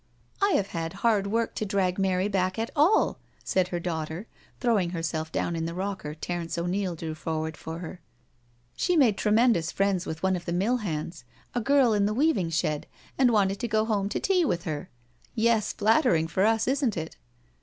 " I have had hard work to drag Mary back at all," said her daughter, throwing herself down in the rocker Terence O'Neil drew forward for her. " She made tremendous friends with one of the mill hands— a girl in the weaving shed— and wanted to go home to tea with her I Yes, flattering for us, isn't it?"